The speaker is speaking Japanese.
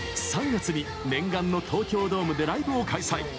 ３月に念願の東京ドームでライブを開催。